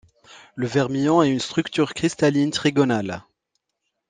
Le vermillon a une structure cristalline trigonale.